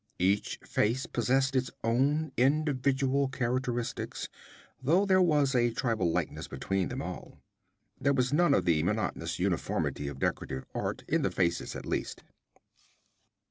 Each face possessed its own individual characteristics, though there was a tribal likeness between them all. There was none of the monotonous uniformity of decorative art, in the faces at least.